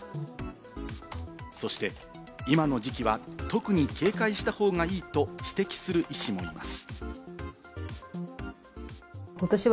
そして今の時期は特に警戒した方がいいと指摘する医師もいます。